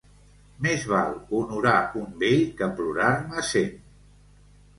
Més val honorar un vell que plorar-ne cent.